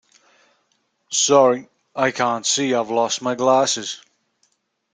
Sorry, I can't see. I've lost my glasses